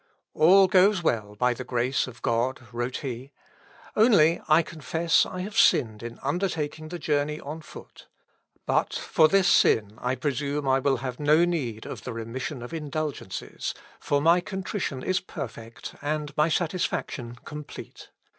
"All goes well by the grace of God," wrote he; "only, I confess I have sinned in undertaking the journey on foot. But for this sin I presume I will have no need of the remission of indulgences, for my contrition is perfect, and my satisfaction complete.